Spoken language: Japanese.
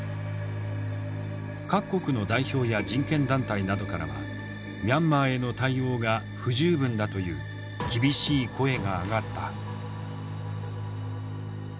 各国の代表や人権団体などからはミャンマーへの対応が不十分だという厳しい声が上がった。